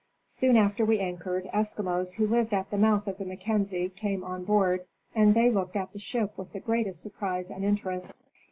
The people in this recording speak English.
Soon after we anchored, Eskimos who lived at the mouth of the Mackenzie came on board, and they looked at the ship with the greatest surprise and interest.